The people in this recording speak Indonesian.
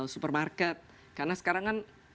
supermarket karena sekarang kan